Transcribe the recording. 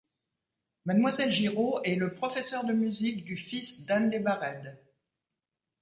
Mademoiselle Giraud est le professeur de musique du fils d'Anne Desbaresdes.